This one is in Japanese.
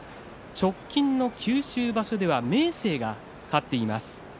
直近の九州場所では明生が勝っています。